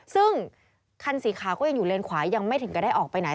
ซึ่งคันสีขาวก็ยังอยู่เลนขวายังไม่ถึงก็ได้ออกไปไหน